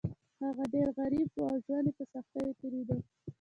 هغوی ډیر غریب وو او ژوند یې په سختیو تیریده.